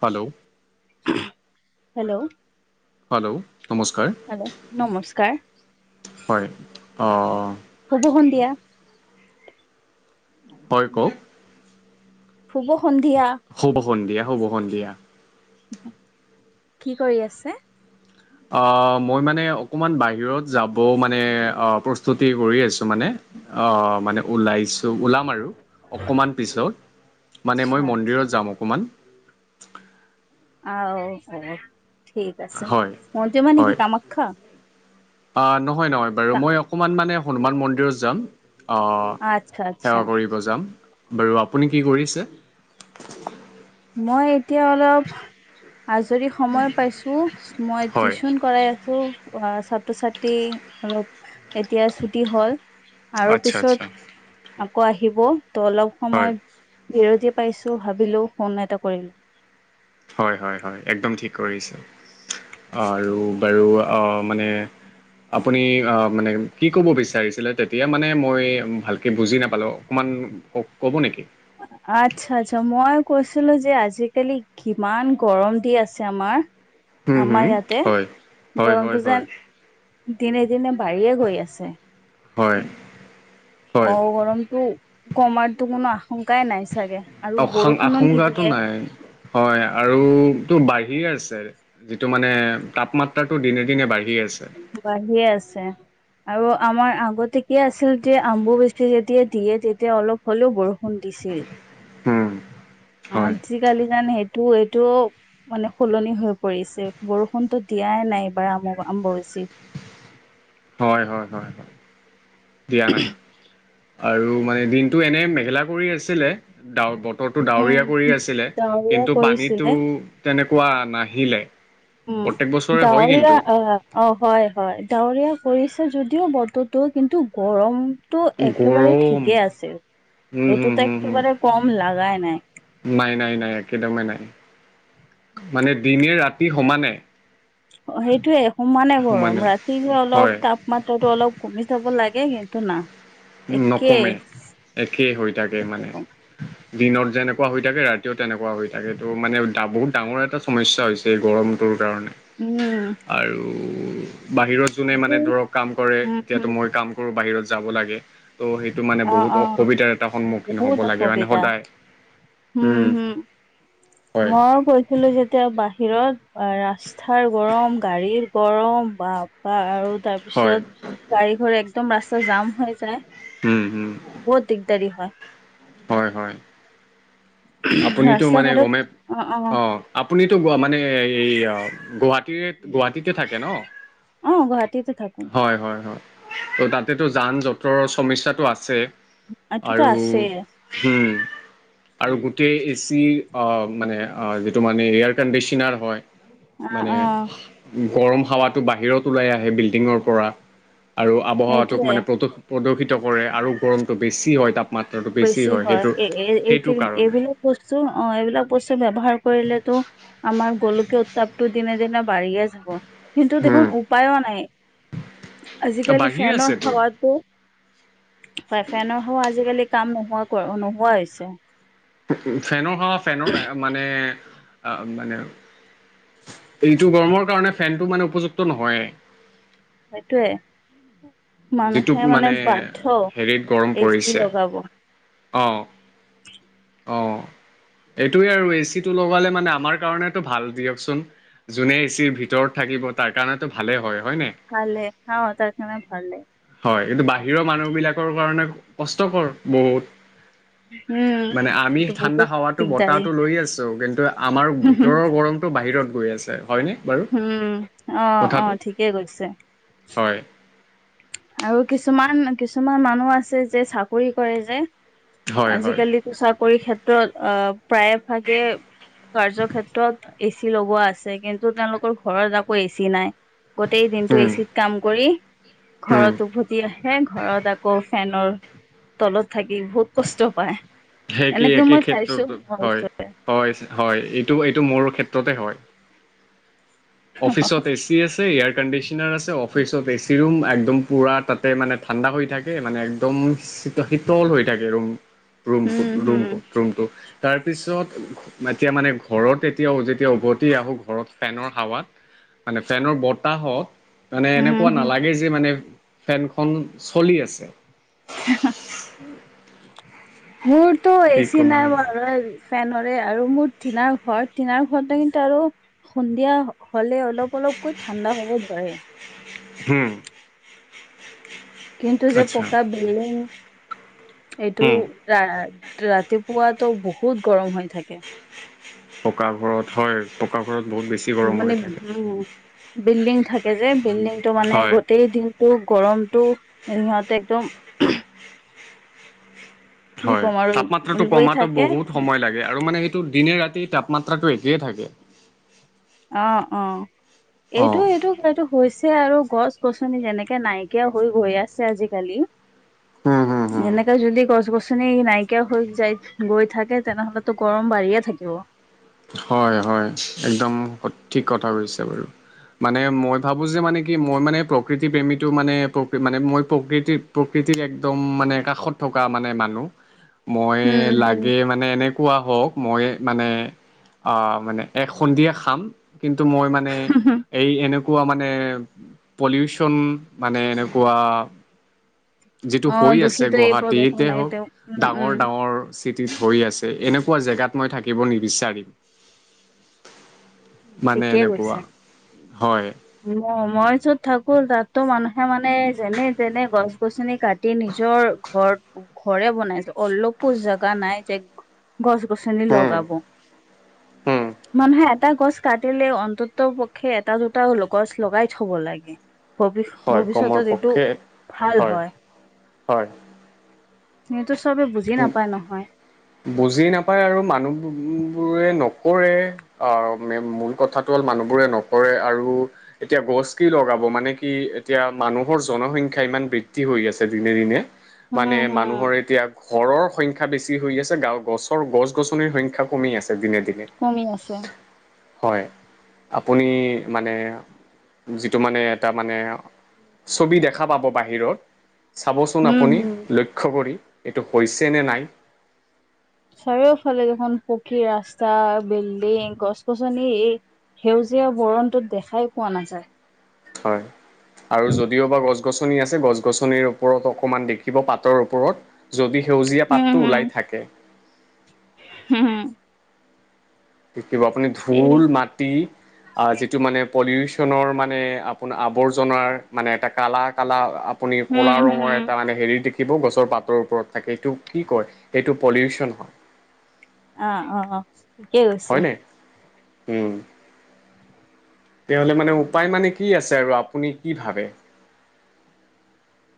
Hello hello hello নমস্কাৰ hello নমস্কাৰ হয় অ হ'বহ দিয়া। হয় ক হোব হু'ব সন্ধিয়া হুব সন্ধিয়া। কি কৰি আছে। আহ মই মানে অকমান বাহিৰত যাব মানে প্ৰস্তুতি কৰি আছো মানে। অ মানে ওলাইছো। ত ওলাম আৰু অকণমান পিছত মানে মই আচ্ছা আচ্ছা মন্দিৰত যাম অকণমান। আহ অ ঠিক আছে হয় মন্দিৰ মানে কি হয় কামাখ্যা? অ নহয় নহয় বাৰু মই অকমান মানে হনুমান মন্দিৰত যাম আচ্ছা আচ্ছা সেৱা কৰিব যাম। বাৰু আপুনি কি কৰিছে? মই এতিয়া অলপ আজৰি সময় পাইছো মই হয় টিউচন কৰাই আছো। অ ছাত্ৰ ছাত্ৰী অলপ এতিয়া ছুটি হল। আৰু আচ্ছা আচ্ছা পিছত আকৌ আহিব ত অলপ হয় সময় বিৰতি পাইছো ভাবিলো ফোন এটা কৰিলো। হয় হয় হয় একদম ঠিক কৰিছে। আৰু বাৰু অ মানে আপুনি অ মানে কি ক'ব বিচাৰিছিলে তেতিয়া মানে মই ভালকে বুজি নাপালো অকমান ক'ব নেকি হয় আচ্ছা আচ্ছা মই কৈছিলো যে আজিকালি কিমান গৰম দি আছে আমাৰ হুম আমাৰ হুম ইয়াতে হয় হয় হয় গৰমটো হয় যেন দিনে দিনে বাঢ়িয়ে গৈ আছে। হয় অ হয় গৰমতো কমাৰতো কোনো আ অশাং আশংকাটো নিদিয়ে নাই হয় আৰু তো বাই বাঢ়িয়ে আছে যিটো মানে তাপমাত্ৰাটো দিনে দিনে বাঢ়ি আছে বাঢ়িয়ে আছে আৰু আমাৰ আগতে কি আছিল যে অম্বুবাচী যেতিয়া দিয়ে তেতিয়া অলপ হ'লেও বৰষুণ দিছিল। হুম হয় আজিকালি যান সেইটো এইটো। মানে সলনি হৈ পৰিছে বৰষুণতো দিয়াই নাই এইবাৰ আম অম্বুবাচীত। [inaudible] হয় হয় হয় হয় দিয়া নাই। আৰু মানে দিনটো এনে মেখেলা কৰি আছিলে। ডা বতৰটো ডাৱৰীয়া কৰি উম। আছিলে ডাৱৰীয়া কিন্তু পানীতো কৰিছিলে। তেনে কোৱা নাহিলে। প্ৰত্যেক উ বছৰে হয় ডাৱৰীয়া কিন্তু অ অ হয় হয় ডাৱৰীয়া পৰিছে যদিও বতৰতো কিন্তু গৰমতো একেবাৰে গৰম ঠিকেই আছে। উম হুম হম হম নাই। নাই নাই নাই একেদমেই নাই। মানে দিনে ৰাতি সমানে। সেইটোয়ে সমানে গৰম ৰাতি যে হয় অলপ তাপমাত্ৰাটো অলপ কমি চাব লা গে সেইটো না। একেই নকমে একেই হৈ থাকে মানে। গৰম। দিনত যেনেকোৱা হৈ থাকে ৰাতিও তেনেকোৱা হৈ থাকে তো মানো বহুত ডাঙৰ এটা সমস্যা হৈছে এই গৰমতোৰ কাৰণে উম, আৰু বাহিৰত যোনে এইটো মানে ধৰক কাম কৰে উম, এতিয়াতো হম, মই কাম কৰো বাহিৰত যাব লাগে ত' সেইটো মানে অ', বহুত অ', অসুবিধাৰ এটা সন্মুখীন হ'ব বহুত লাগে মানে অসুবিধা। সদায়। হম উম হুম হয় মই কৈছিলো যেতিয়া বা হিৰত ৰাস্তাৰ গৰম গাড়ীৰ গৰম বা বা আৰু হয় তাৰপিছত গাড়ী ঘৰে একদম ৰাস্তা জাম হৈ যায়। উম উম বহুত দিগদাৰি হয়। হয় হয় আপুনিতো মানে গমে অ আপুনিতো মানে এইয়া গুৱাহাটীৰে গুৱাহাটীতে থাকে ন। অ গুৱাহাটীতে থাকো হয় হয় হয় অ তা তেটো যাম জটৰৰ সমস্যাটো আছে এইটোতো আৰু আছেই উম আৰু গোটেই এ চি অহ মানে যিটো মানে এয়াৰ কণ্ডিচনাৰ হয় অ মানে অ গৰম হাৱাটো বাহিৰত ওলাই আহে বিল্ডিঙৰ পৰা। আৰু আৱহাৱাটোক সেইটোয়ে মানে প্ৰদূষ প্ৰদূষিত কৰে আৰু গৰমটো বেছি হয় তাত। বেছি হয় এই কাৰণে এইবিল বস্তু অ এইবিলাক বস্তু ব্যৱহাৰ কৰিলেতো আমা ৰ গোলকীয় উত্তাপটো দিনে দিনে বাঢ়িহে যাব। কিন্তু হম দেখোন উপায়ো নাই আজিকালি বাঢ়ি ফেনৰ আছেতো হাৱাটো ফাই ফেনৰ হ আজিকালি কাম নোহোৱা নোহোৱা হৈছে ফেনৰ হাৱা ফেনতে আও মানে মানে এইটো গৰমৰ কাৰণে ফেনটো মানে উপযুক্ত নহয়ে সেটোৱে। যিটো মানে হেৰিত গৰম এ চি পৰিছে। লগাব অহ। অ এইটোৱে আৰু এচিটো লগালে মানে আমাৰ কাৰণেটো ভাল দিয়কচোন। যোনে এচিৰ ভিতৰত থাকিব তাৰ কাৰণেতো ভালে হয়। হয় নাই ভালে হা তাৰ কাৰণে ভালে হয় কিন্তু বাহিৰৰ মানুহ বিলাকৰ কাৰণে কষ্টকৰ বহুত। উম মানে আমি এইটো ঠাণ্ডা বহুত হাৱাতো দিগদাৰী বতাহটো লৈ আছো কিন্তু আমাৰ ভিতৰৰ গৰমটো বাহিৰত গৈ আছে। হয়নে বাৰু? উম অ অ কথাটো ঠিকে কৈছে হয়। আৰু কিছুমান কিছুমান মানুহ আছে যে চাকৰি কৰে যে। হয় হয় আজিকালিতো চাকৰি ক্ষেত্ৰত অ প্ৰায় ভাগে কাৰ্য ক্ষেত্ৰত এচি লগোৱা আছে কিন্তু তেওঁলোকৰ ঘৰত আকৌ এচি নাই। গোটেই দিনটো উম এচিত কাম কৰি উম ঘৰত উভতি হে ঘৰত আকৌ ফেনৰ তলত থাকি বহুত কষ্ট পায়, সেই একেই এনেকে একেই মই চাইছো ক্ষেত্ৰতো ম হয় ওচৰতে। হয় হয় এইটো এইটো মোৰ ক্ষেত্ৰতে হয়। অফিচত এচি আছে এয়াৰ কণ্ডিচনাৰ আছে অফিচত এচি ৰুম। একদম পুৰা তাতে মানে ঠাণ্ডা হৈ থাকে মানে একদম শীতল হৈ থাকে ৰুম। ৰুমটো হম হম ৰুমটো ৰুমটো। তাৰপিছত এতিয়া মানে ঘৰত এতিয়া যেতিয়া উভতি আহোঁ ঘৰত ফেনৰ হাৱাত মানে ফেনৰ বতাহত মানে হম এনেকুৱা হম নালাগে যে মানে ফেনখন চলি আছে। [unintelligible] মোৰতো কি এচি ক'ম নাই আৰু বাৰু ফেন হলে আৰু মোৰ টিনাৰ ঘৰ টিনাৰ ঘৰতে কিন্তু আৰু সন্ধিয়া হ'লে অলপ অলপকৈ ঠাণ্ডা হ'ব ধৰে। হম। কিন্তু যে আচ্ছা পকা বিল্ডিং এইটো উম ৰা ৰাতিপুৱাতো বহুত গৰম হৈ থাকে। পকা ঘৰত হয় পকা ঘৰত। বহুত বেছি গৰম মানে হৈ থাকে উম বিল্ডিং থাকে যে বিল্ডিংটো মানে হয় গোটেই দিনটো গৰমতটো সহঁতে একদম কি হয় ক'ম আৰু তাপমাত্ৰাটো লৈ কমাতো থাকে বহুত সময় লাগে আৰু মানে সেইটো দিনে ৰাতি তাপমাত্ৰাটো একেই থাকে। অ অ এইটো অ' এইটো এইটো হৈছে- ছে আৰু গছ গছনি যেনেকে নাইকিয়া হৈ গৈ আছে আজিকালি হুম হুম হুম এনেকে যদি গছ গছ ছনি নাইকিয়া হৈ যায় গৈ থাকে তেনেহলেতো গৰম বাঢ়িয়ে থাকিব। হয় হয় একদম সঠিক কথা কৈছে বাৰু। মানে মই ভাবো যে মানে কি মই মানে প্ৰকৃতি প্ৰেমীটো মানে প্ৰ মানে মই প্ৰকৃতি প্ৰকৃ তি একদম মানে কাষত থকা মানে মানুহ। মই উম, হম। লাগে মানে এনেকুৱা হওঁক মই মানে অহ মানে এক সন্ধিয়া খাম কিন্তু মই মানে হম এই এনেকুৱা এনেকুৱা মানে পলিউচন মানে এনেকুৱা যিটো অ', হৈ আছে দূষিত এই গুৱাহাটীতে প্ৰদূষণ এই হওঁক তেওঁ উম, ডাঙৰ উম, ডাঙৰ চিটিত হৈ আছে এনেকুৱা জেগাত মই থাকিব নিবিচাৰিম। মানে এনেকুৱা হয়। অ মই য'ত থাকো তাতো মানুহে মানে যেনে তেনে গছ -গছনি কাটি মেলি নিজৰ ঘৰ ঘৰে বনাইছে অলপো জেগা নাই যে। গছ -গছনি উম লগাব। উম মানুহে এটা গছ কাটিলে অন্তত পক্ষে এটা জ গছ লগাই থব লাগে। ভ হয় কমৰ ভৱিষ্যতত এইটো পক্ষে ভাল হয়। হয় সেইটো চবে বুজি নাপায় নহয়। বুজি নাপায় আৰু মানুহ বোৰে নকৰে অহ মূল কথাটো হল মানুহবোৰে নকৰে আৰু এতিয়া গছ কি লগাব মানে কি এতিয়া মানুহৰ জনসংখ্যাই ইমান বৃদ্ধি হৈ আছে দিনে দিনে উম মানে হুম। মানুহৰ এতিয়া ঘৰৰ সংখ্যা বেছি হৈ আছে। যে গাঁও গছৰ গছ- গছনিৰ সংখ্যা কমি আছে দিনে দিনে কমি আছে হয় আপুনি মানে যিটো মানে এটা মানে ছবি দেখা পাব বাহিৰত চাবচোন উম আপুনি হুম। লক্ষ্য কৰি এইটো হৈছে নে নাই চাৰিওফালে দেখোন পকী ৰাস্তা, বিল্ডিং, গছ- গছনি এই সেউজীয়া বৰণটোত দেখাই পোৱা নাযায়। হয় আৰু যদিও বা গছ -গছনি আছে গছ গছনিৰ ওপৰত অকণমান দেখিব পাতৰ ওপৰত যদি সেউজীয়া পাতটো ওলাই থাকে হম দেখিব আপুনি ধূল, মাটি, যিটো মানে পলিউচ ৰ মানে আপোনাৰ আৱৰ্জনাৰ মানে এটা কালাৰ কালাৰ আপুনি কলা হুম ৰঙৰ হুম। এটা মানে হেৰি দেখি- দেখিব গছৰ পাতৰ ওপৰত থাকে সেটো কি কয় সইটো পলিউচন হয়। অ অ ঠিকেই কৈছে হয়নে উম তেতিহ'লে মানে উপায় মানে কি আছে আৰু আপুনি কি ভাবে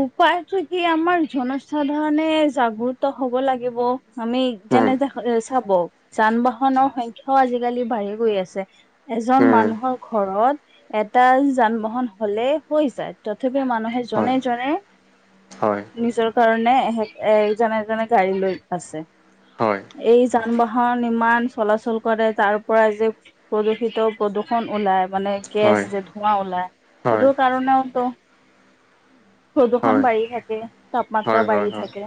উপায়টো কি আমাৰ জনসাধাৰণে জাগ্ৰত হব লাগিব আমি উম যেনে এ চাব যান- বাহনৰ সংখ্যাও আজিকালি বাঢ়ি গৈ আছে এজন উম মানুহৰ ঘৰত এটা যান বাহন হলে হৈ যায় তথাপি মানুহে জনে হয় জনে হয় নিজৰ কাৰণে এহে এজনে এজনে গাড়ী লৈ আছে। হয় এই যান- বাহন ইমান চলাচল কৰে তাৰ পৰা যে প্ৰদূষিত প্ৰদূষণ ওলাই মানে গেছ হয় হয় যে ধোঁৱা ওলাই সেইটো হয় কাৰণেওতো প্ৰদূষণ হয় বাঢ়ি থাকে তাপমাত্ৰা হয় হয় বাঢ়ি হয় থাকে।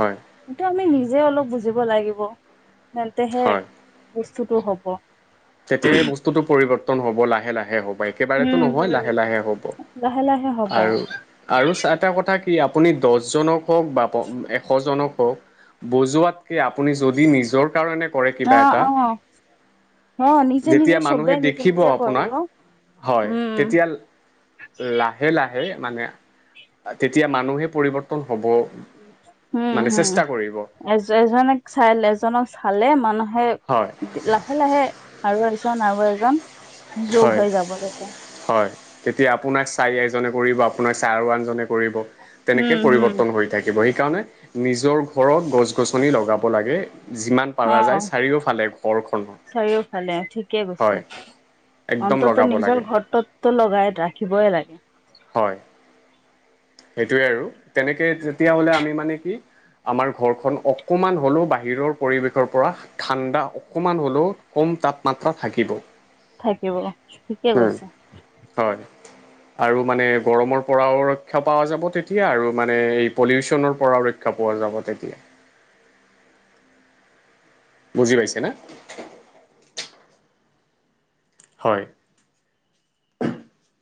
হয়। সেটো আমি নিজে অলপ বুজিব লাগিব। তেন্তেহে বস্তুটো হ'ব তেতিয়াহে বস্তুটো পৰিৱৰ্তন হ'ব লাহে লাহে হ'ব। একেবাৰেতো উম নহয় হম। লাহে লাহে হ'ব লাহে লাহে হ'ব আৰু আৰু এটা কথা কি আপুনি দহজনক হওঁক বা এশজনক হওঁক বজোৱাত কি আপুনি যদি নিজৰ কাৰণে কৰে অ কিবা এটা অ অ নিজে যেতিয়া নিজে চবে মানুহে নিজে দেখিব নিজে আপোনাক কৰিব। হয় উম তেতিয়া লাহে লাহে মানে তেতিয়া মানুহে পৰিৱৰ্তন হব। উম মানে হম চেষ্টা কৰিব এ এজনক চাই এজনক চালে মানুহে হয় লাহে লাহে লাহে আৰু এজন আৰু এজন যোগ হয় হৈ যাব তেতিয়া। হয় তেতিয়া আপোনাক চাই এজনে কৰিব আপোনাক চাই আৰু আনজনে কৰিব উম তেনেকে হম পৰিৱৰ্তন হৈ থাকিব সে সেইকাৰণে নিজৰ ঘৰত গছ -গছনি লগাব লাগে যিমান অ পাৰা যায় চাৰিওফালে ঘৰখনৰ থিকে কৈছে হয় একদম অন্তত লগাব নিজৰ লাগে ঘৰতোততো লগাই ৰাখিবই লাগে হয় সেইটোৱে আৰু তেনেকে তেতিয়া হলে আমি মানে কি আমাৰ ঘৰখন অকমান হলেও বাহিৰৰ পৰিৱেশৰ পৰা ঠাণ্ডা অকমান হলেও কম তাপমাত্ৰা থাকিব। থাকিব ঠিকে উম, কৈছা। হয় আৰু মানে গৰমৰ পৰাও ৰক্ষা পোৱাযাব তেতিয়া আৰু মানে এই পলিউচনৰ পৰা ৰক্ষা পোৱা যাব তেতিয়া। [inaudible] বুজি পাইছে না হয় [unintelligible]